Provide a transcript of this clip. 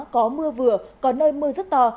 có mưa vừa có nơi mưa rất to